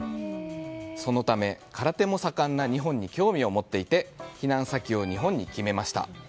そのため、空手も盛んな日本に興味を持っていて避難先を日本に決めました。